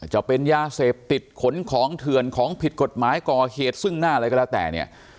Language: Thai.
จะเป็นยาเสพติดขนของเถื่อนของผิดกฎหมายก่อเหตุซึ่งหน้าอะไรก็แล้วแต่เนี่ย